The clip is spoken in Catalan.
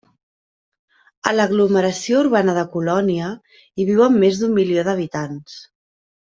A l'aglomeració urbana de Colònia hi viuen més d'un milió d'habitants.